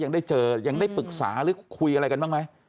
ยังได้เจอยังได้ปรึกษาหรือคุยอะไรกันบ้างไหม